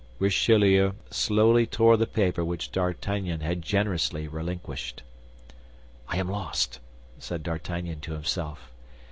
Richelieu slowly tore the paper which D'Artagnan had generously relinquished. "I am lost!" said D'Artagnan to himself.